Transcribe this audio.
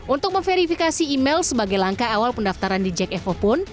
untuk meverifikasi email sebagai langkah awal pendaftaran di jakevo pun